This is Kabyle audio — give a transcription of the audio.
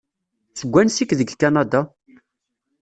Seg wansi-k deg Kanada?